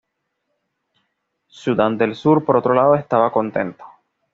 Sudán del Sur, por otro lado, estaba contento.